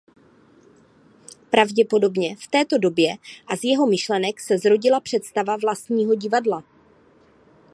Pravděpodobně v této době a z jeho myšlenek se zrodila představa vlastního divadla.